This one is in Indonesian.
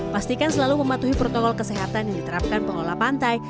pastikan selalu mematuhi protokol kesehatan yang diterapkan pengelola pantai